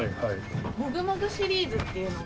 もぐもぐシリーズっていうのが。